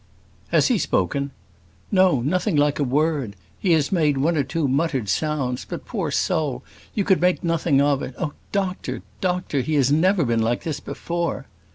"Has he spoken?" "No; nothing like a word: he has made one or two muttered sounds; but, poor soul, you could make nothing of it oh, doctor! doctor! he has never been like this before."